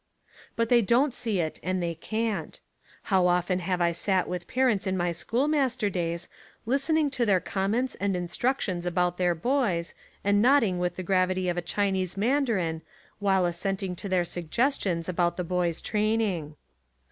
But they don't see it and they can't. How often have I sat with parents in my schoolmas ter days, listening to their comments and in structions about their boys and nodding with the gravity of a Chinese mandarin while as senting to their suggestions about the boy's training.